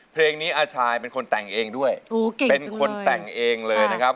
เพลงนี้อาชายเป็นคนแต่งเองด้วยเป็นคนแต่งเองเลยนะครับ